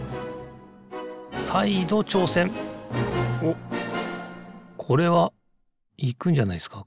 おっこれはいくんじゃないですか